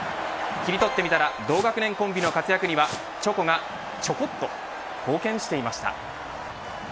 キリトッてみたら同学年コンビの活躍にはチョコがちょこっと貢献していました。